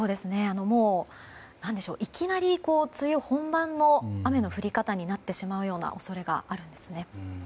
もう、いきなり梅雨本番の雨の降り方になってしまうような恐れがあります。